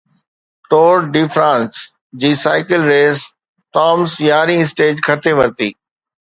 ٽور de France جي cycle racer Thomas يارهين stage کٽي ورتي